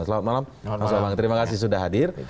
selamat malam terima kasih sudah hadir